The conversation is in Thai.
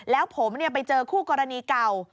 แล้วผมไปเจอคู่กรณีเก่า